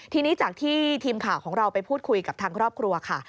ทีนี้จากที่ทีมข่าวของเราไปพูดคุยกับทางครอบครัวค่ะ